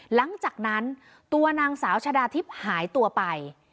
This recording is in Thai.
หลังจากนั้นตัวนางสาวชะดาทิพย์หายตัวไป